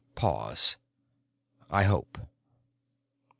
Pause. "I hope."